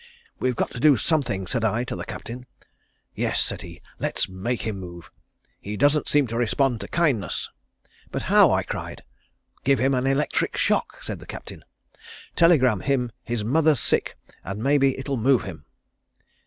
'We've got to do something,' said I to the Captain. 'Yes,' said he, 'Let's make him move. He doesn't seem to respond to kindness.' 'But how?' I cried. 'Give him an electric shock,' said the Captain. 'Telegraph him his mother's sick and may be it'll move him.'